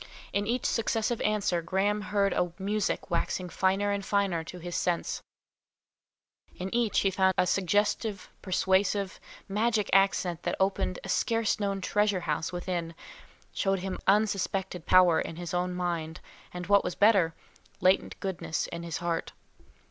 In each successive answer, Graham heard a music waxing finer and finer to his sense; in each he found a suggestive, persuasive, magic accent that opened a scarce known treasure house within, showed him unsuspected power in his own mind, and what was better, latent goodness in his heart.